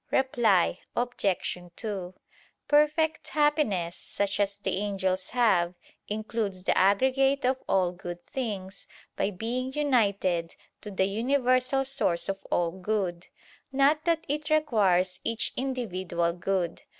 Reply Obj. 2: Perfect happiness, such as the angels have, includes the aggregate of all good things, by being united to the universal source of all good; not that it requires each individual good.